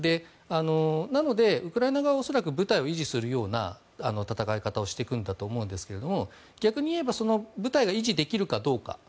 なので、ウクライナ側は恐らく部隊を維持するような戦い方をしていくんだと思うんですけど逆にいえば部隊が維持できるかどうか。